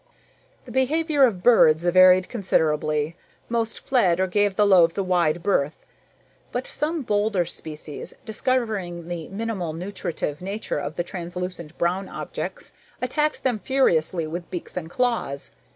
The behavior of birds varied considerably. Most fled or gave the loaves a wide berth, but some bolder species, discovering the minimal nutritive nature of the translucent brown objects, attacked them furiously with beaks and claws.